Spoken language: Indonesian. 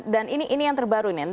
dan ini yang terbaru ini